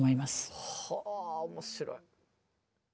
はあ面白い。